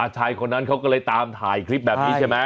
ชายคนนั้นเขาก็เลยตามถ่ายคลิปแบบนี้ใช่ไหม